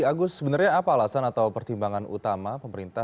agus sebenarnya apa alasan atau pertimbangan utama pemerintah